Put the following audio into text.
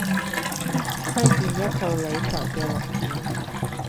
推薦一套理財紀錄片